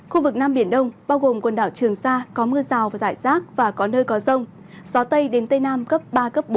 khu vực nam biển đông bao gồm quần đảo trường sa có mưa rào và rải rác và có nơi có rông gió tây đến tây nam cấp ba cấp bốn